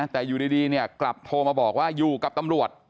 แต่อยู่ดีกลับโทรมาบอกว่าอยู่กับตำรวจ